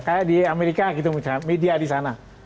kayak di amerika gitu misalnya media di sana